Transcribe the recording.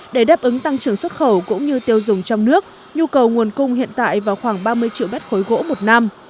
để đáp ứng tăng trưởng xuất khẩu cũng như tiêu dùng trong nước nhu cầu nguồn cung hiện tại vào khoảng ba mươi triệu mét khối gỗ một năm